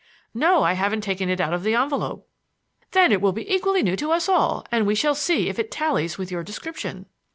"No, I haven't taken it out of the envelope." "Then it will be equally new to us all, and we shall see if it tallies with your description."